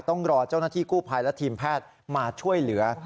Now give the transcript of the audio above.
ต้องรอเจ้าหน้าที่กู้ภัยและทีมแพทย์มาช่วยเหลือ